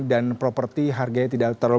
dan properti harganya tidak terlalu